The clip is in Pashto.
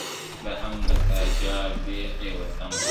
دا هم له تا جار دی، اې وطنه زوروره,